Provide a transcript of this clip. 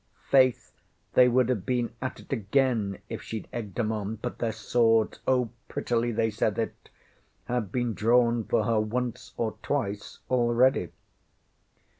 ŌĆØ Faith, they would have been at it again if sheŌĆÖd egged ŌĆśem on! but their swords oh, prettily they said it! had been drawn for her once or twice already.